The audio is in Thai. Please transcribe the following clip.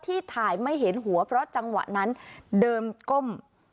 ที่ถ่ายไม่เห็นหัวเพราะจังหวะนั้นเดินก้ม